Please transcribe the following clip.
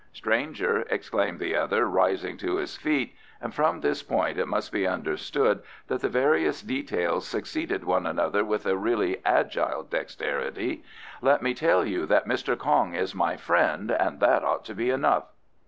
"Stranger," exclaimed the other rising to his feet (and from this point it must be understood that the various details succeeded one another with a really agile dexterity), "let me tell you that Mr. Kong is my friend, and that ought to be enough."